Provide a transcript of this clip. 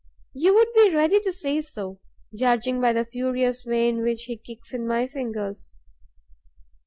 You would be ready to say so, judging by the furious way in which he kicks in my fingers.